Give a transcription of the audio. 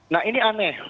nah ini aneh